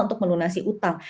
untuk melunasi hutang